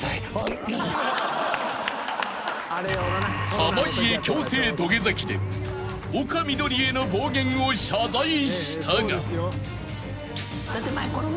［濱家強制土下座器で丘みどりへの暴言を謝罪したが］